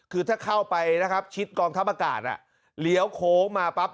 คือถ้าเข้าไปนะครับชิดกองทัพอากาศเลี้ยวโค้งมาปั๊บ